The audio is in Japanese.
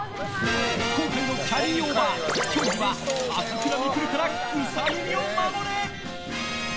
今回のキャリーオーバー、競技は朝倉未来からウサ耳を守れ！